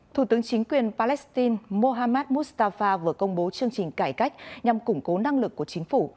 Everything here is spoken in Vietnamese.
thủ tướng chính quyền palestine mohammad mustafa vừa công bố chương trình cải cách nhằm củng cố năng lực của chính phủ